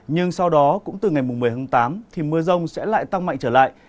nhưng sau đó cũng từ ngày một mươi tháng tám thì mưa rông sẽ lại tăng mạnh trở lại